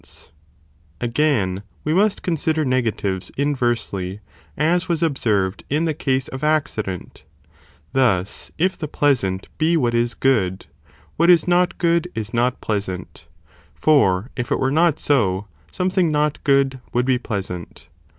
ard. Negatives Again, we must consider negatives inversely, ie oe as was observed in the case of accident,* thus, if * Videb.ii. the pleasant be what is good, what is not good is ae not pleasant, for if it were not so, something not good would be pleasant.